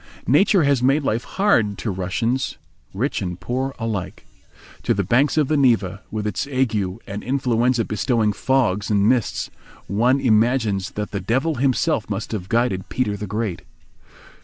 Nature has made life hard to Russian rich and poor alike. To the banks of the Neva, with its ague and influenza bestowing fogs and mists, one imagines that the Devil himself must have guided Peter the Great.